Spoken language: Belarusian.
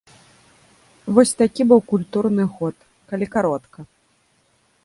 Вось такі быў культурны год, калі каротка.